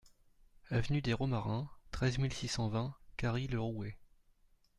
Avenue des Romarins, treize mille six cent vingt Carry-le-Rouet